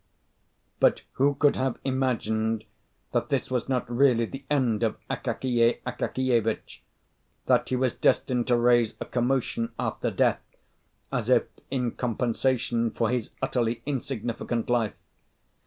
But who could have imagined that this was not really the end of Akakiy Akakievitch, that he was destined to raise a commotion after death, as if in compensation for his utterly insignificant life?